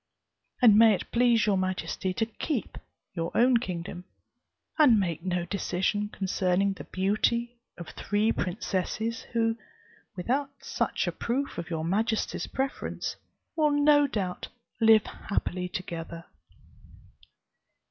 And may it please your majesty to keep your own kingdom, and make no decision concerning the beauty of three princesses, who, without such a proof of your majesty's preference, will no doubt live happily together!"